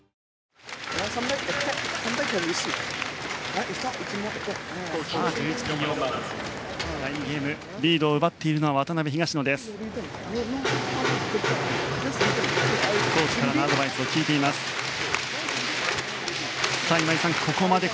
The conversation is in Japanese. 第２ゲームリードを奪っているのは渡辺、東野です。